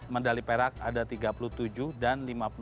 medali perak ada tiga puluh tujuh dan lima puluh enam